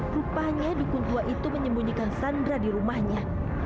rupanya dukun gua itu menyembunyikan sandra di rumahnya